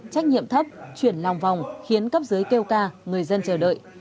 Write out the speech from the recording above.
trách nhiệm thấp chuyển lòng vòng khiến cấp dưới kêu ca người dân chờ đợi